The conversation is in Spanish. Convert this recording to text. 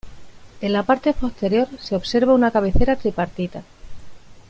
En la parte posterior se observa una cabecera tripartita.